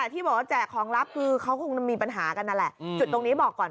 ที่บอกว่าแจกของลับคือเขาคงมีปัญหากันนั่นแหละจุดตรงนี้บอกก่อน